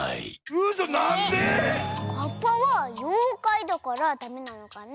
うそなんで⁉カッパはようかいだからダメなのかな？